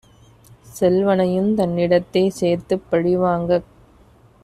செல்வனையும் தன்னிடத்தே சேர்த்துப் பழிவாங்கக்